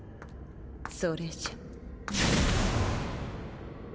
それじゃ。